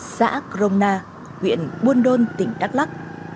xã kromna huyện buôn đôn tỉnh đắk lắc